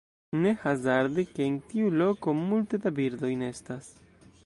Ne hazarde, ke en tiu loko multe da birdoj nestas.